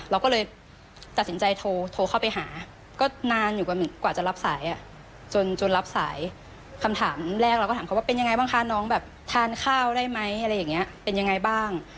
เราก็เลยตัดสินใจโทรเข้าไปหาก็นานอยู่กว่าจะรับสายจนรับสายคำถามแรกเราก็ถามเขาว่าเป็นยังไงบ้างคะน้องแบบทานข้าวได้ไหมอะไรอย่างนี้เป็นยังไงบ้าง